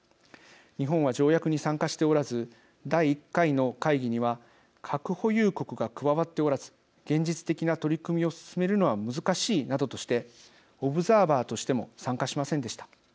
日本は条約に参加しておらず第１回の会議には核保有国が加わっておらず現実的な取り組みを進めるのは難しいなどとしてオブザーバーとしても参加しませんでした。